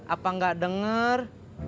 apa gak denger